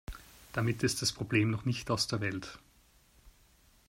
Damit ist das Problem noch nicht aus der Welt.